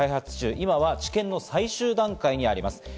今は治験の最終段階にあります。